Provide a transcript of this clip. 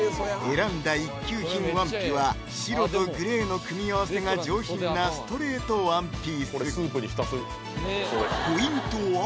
選んだ一級品ワンピは白とグレーの組み合わせが上品なストレートワンピースポイントは？